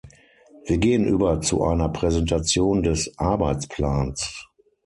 Wir gehen über zu einer Präsentation des Arbeitsplans.